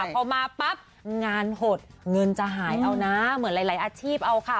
พอมาปั๊บงานหดเงินจะหายเอานะเหมือนหลายอาชีพเอาค่ะ